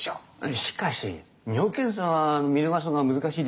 しかし尿検査は見逃すのは難しいでしょう。